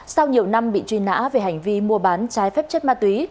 sau nhiều năm bị truy nã về hành vi mua bán trái phép chất ma túy